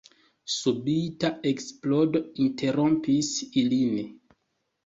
Subita eksplodo interrompis ilin.